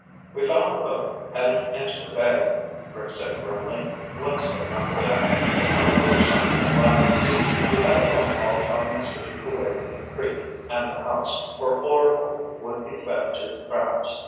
"We found the boat headed into the bay," Rick said grimly. "Bloodstain on the deck, but no other sign of violence. We had a phone call telling us to keep away from the creek and the house, or Orvil would be fed to the crabs.